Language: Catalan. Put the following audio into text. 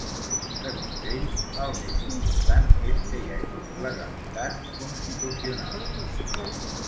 Segons ell, el més important és que hi hagi legalitat constitucional.